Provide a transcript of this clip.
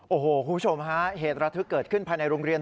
โอ้โหคุณผู้ชมฮะเหตุระทึกเกิดขึ้นภายในโรงเรียน